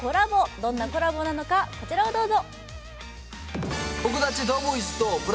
どんなコラボなのか、こちらをどうぞ。